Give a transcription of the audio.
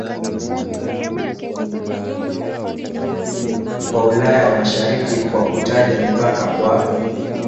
wa Ulaya ya Mashariki kwa kutaja mipaka kwa